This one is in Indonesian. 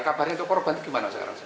kabarnya itu korban bagaimana sekarang